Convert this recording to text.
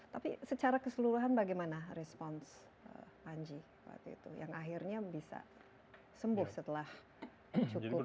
tapi secara keseluruhan bagaimana respons panji waktu itu yang akhirnya bisa sembuh setelah cukup